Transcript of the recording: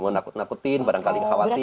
nakut nakutin barangkali khawatir